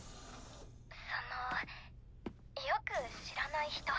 そのよく知らない人。